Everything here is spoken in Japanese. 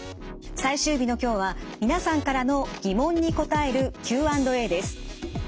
最終日の今日は皆さんからの疑問に答えるＱ＆Ａです。